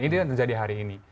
ini yang terjadi hari ini